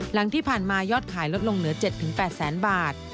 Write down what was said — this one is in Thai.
หลังที่ผ่านมายอดขายลดลงเหลือ๗๘แสนบาท